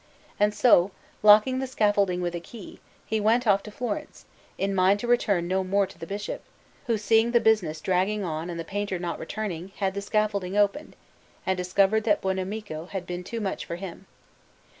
And so, locking the scaffolding with a key, he went off to Florence, in mind to return no more to the Bishop, who, seeing the business dragging on and the painter not returning, had the scaffolding opened, and discovered that Buonamico had been too much for him.